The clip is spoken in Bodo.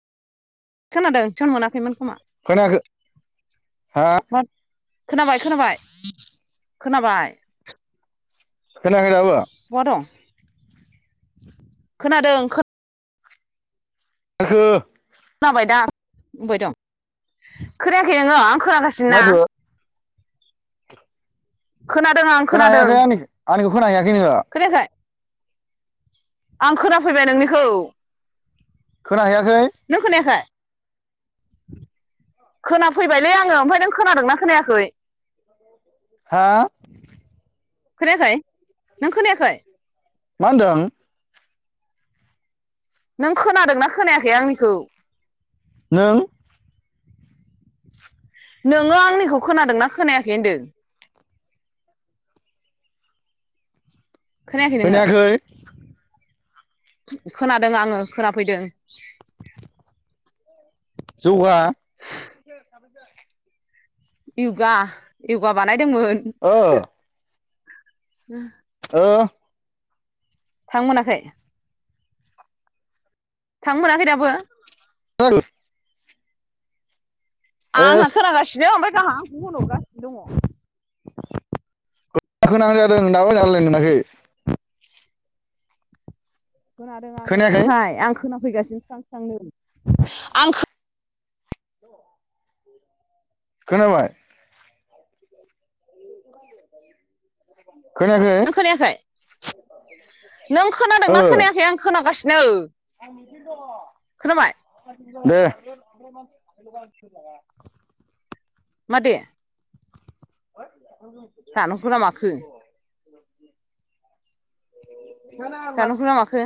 खोनादों नेटर मोनाखैमोन खोमा। खोनाखै। उम खोनाबाय खोनाबाय खोनाबाय। खोनायाखै दाबो। बहा दं। [unintelligible] खोनादों खो। ओखो। खोनाबाय दा, बुंबाय दं खोनायाखै नोङो आं खोनाखासिनो ना। माखो खोनादों आं। खोनादों खोनायाहैयाखै आंनिखो आंनि खो खोननाखै नोंडों। खोनायाखै? आं खोनाफैबाय नोंनिखौ। खोना हैयाखै? नों खोनायाखै? खोनाफैबायलै आङो ओमफ्राय नों खोनादोंना खोनायाखै? [inaudible] हा? खोनायाखै नों खोनायाखै? मा होनदों? नों खोनादोंना खोनायाखै आंनिखौ? नों नोङो आंनिखौ खोनादोंना खोनायाखै होनदो? खोनायाखै नोङो? खोनादों आङो खोनाफैदों। जौगा [inaudible] इउगा इउगा बानायदोंमोन। ओ। [inaudible] ओ। हां मोनाखै? हां मोनाखै दाबो? [inaudible] आंहा एस खोनागासिनो ओमफाय गावहा गनर गासिनो दङ। खोनथाबाय थादों दाबो मोजाङै रायलायनो मोनाखै खोनादों आङो खोनायाखै ओमफ्राय आं खोनाफैगासिनो स्रां स्रांनो आं खो खोनाबाय? खोनायाखै? खोनादों खोनायाखै नों ओ खोनादोंना खोनायाखै आं खोनागासिनो। खोनाबाय दे। मा दे? [inaudible] दानहरखो ना माखो? [unintelligible] दानहरखो ना माखो